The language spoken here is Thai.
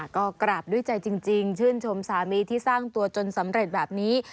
ก็กราบด้วยใจจริงชื่นชมสามีที่สร้างตัวจนสำเร็จแบบนี้